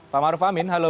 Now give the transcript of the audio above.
pak maruf amin halo